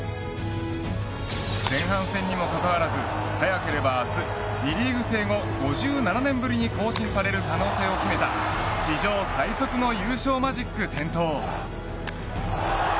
前半戦にもかかわらず早ければ明日、２リーグ制後５７年ぶりに更新される可能性を秘めた史上最速の優勝マジック点灯。